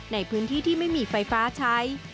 ในพื้นที่ที่ไม่มีไฟฟ้าใช้